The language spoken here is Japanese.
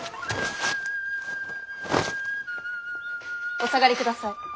お下がりください。